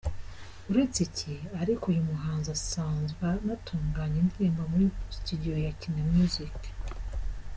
Uretse iki ariko uyu muhanzi asanzwe anatunganya indirimbo muri studio ya Kina Music.